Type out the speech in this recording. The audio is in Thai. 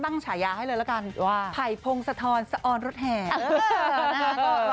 ตั้งฉายาให้เลยละกันว่าไผ่พงสะทอนสะออนรถแห่เออเออนะฮะ